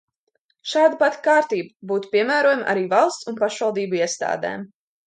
Šāda pati kārtība būtu piemērojama arī valsts un pašvaldību iestādēm.